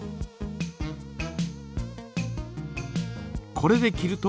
これで切ると？